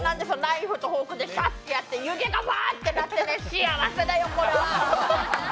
ナイフとフォークでやって、湯気がふわっとなって幸せだよ、これは。